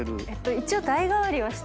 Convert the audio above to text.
一応。